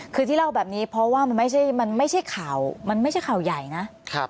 คือที่เล่าแบบนี้เพราะว่ามันไม่ใช่มันไม่ใช่ข่าวมันไม่ใช่ข่าวใหญ่นะ